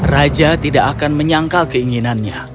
raja tidak akan menyangkal keinginannya